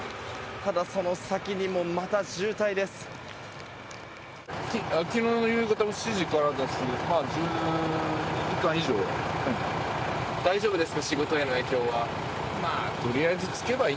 ただ、その先にもまた渋滞です。